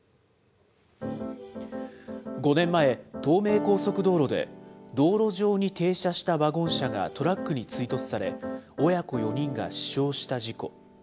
５年前、東名高速道路で、道路上に停車したワゴン車がトラックに追突され、親子４人が死傷した事故。